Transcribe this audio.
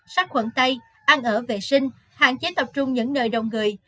sát khuẩn tay ăn ở vệ sinh hạn chế tập trung những nơi đông người